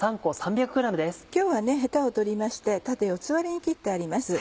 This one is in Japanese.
今日はヘタを取りまして縦４つ割りに切ってあります。